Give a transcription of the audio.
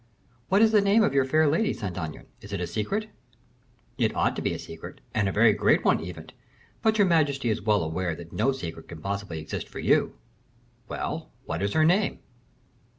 "What is the name of your fair lady, Saint Aignan? Is it a secret?" "It ought to be a secret, and a very great one, even; but your majesty is well aware that no secret can possibly exist for you." "Well, what is her name?"